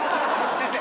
先生！